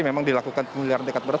memang dilakukan pemilihan tingkat berat